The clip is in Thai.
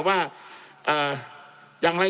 จำนวนเนื้อที่ดินทั้งหมด๑๒๒๐๐๐ไร่